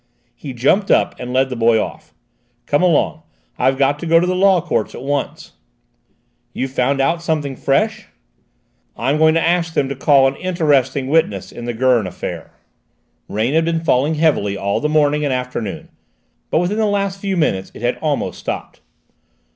He jumped up and led the boy off. "Come along: I've got to go to the Law Courts at once." "You've found out something fresh?" "I'm going to ask them to call an interesting witness in the Gurn affair." Rain had been falling heavily all the morning and afternoon, but within the last few minutes it had almost stopped.